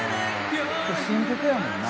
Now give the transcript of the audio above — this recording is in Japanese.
「これ新曲やもんな。